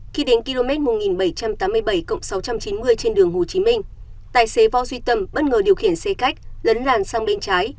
khi đến km một nghìn bảy trăm tám mươi bảy sáu trăm chín mươi trên đường hồ chí minh tài xế võ duy tâm bất ngờ điều khiển xe cách lấn làn sang bên trái